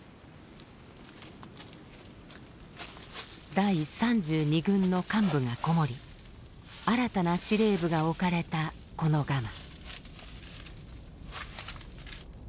第３２軍の幹部が籠もり新たな司令部が置かれたこのガマ。